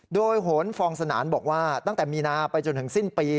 โดยโหนฟองสนานบอกว่าตั้งแต่มีนาไปจนถึงสิ้นปี